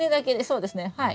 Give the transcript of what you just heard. そうですねはい。